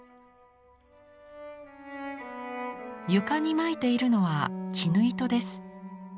床にまいているのは絹糸です。